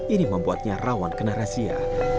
ini membuatnya rawan kena razia